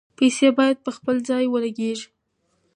پیسې باید په خپل ځای ولګیږي.